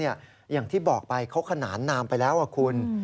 อย่างที่บอกไปเขาขนานนามไปแล้วคุณ